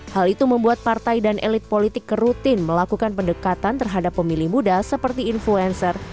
hal itu membuat partai dan elit politik kerutin melakukan pendekatan terhadap pemilih muda seperti influencer